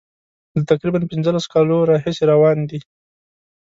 له تقریبا پنځلسو کالو راهیسي روان دي.